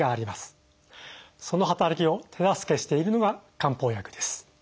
その働きを手助けしているのが漢方薬です。